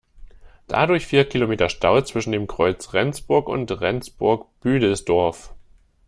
Dadurch vier Kilometer Stau zwischen dem Kreuz Rendsburg und Rendsburg-Büdelsdorf.